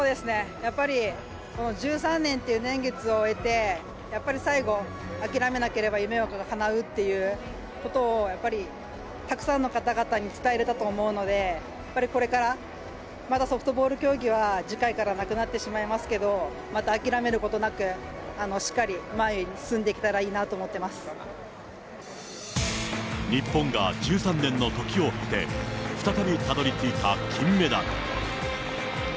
やっぱり、１３年という年月を経て、やっぱり最後、諦めなければ夢がかなうっていうことを、やっぱりたくさんの方々に伝えれたと思うので、やっぱりこれからまたソフトボール競技は次回からなくなってしまいますけど、また諦めることなく、しっかり前に進んでいけたらいい日本が１３年の時を経て、再びたどりついた金メダル。